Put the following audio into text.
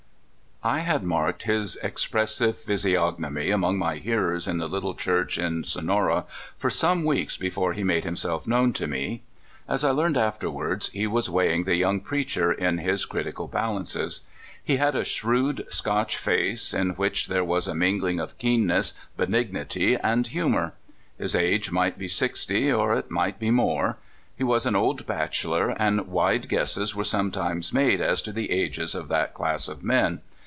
I HAD marked his expressive physiognomy among my hearers in the little church in So nora tor some weeks before he made himself known to me. As I learned afterwards, he was weighing the young preacher in his crit ical balances. He had a shrewd Scotch face, in which there was a mingling of keenness, benignity, and humor. His age might be sixty, or it might be more. He was an old bachelor, and wide guesses are sometimes made as to the ages of that class of men.